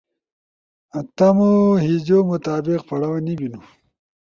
ا تمو ہیجو مطابق پڑاؤ نی بینو،